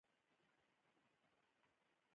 باسواده ښځې د ښاروالۍ په چارو کې مرسته کوي.